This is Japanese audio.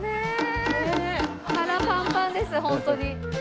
腹パンパンですホントに。